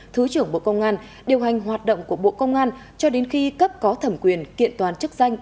thứ trưởng bộ công an điều hành hoạt động của bộ công an cho đến khi cấp có thẩm quyền kiện toàn chức danh